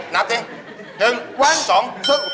นับทิ้ง